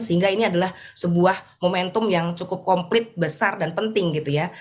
sehingga ini adalah sebuah momentum yang cukup komplit besar dan penting gitu ya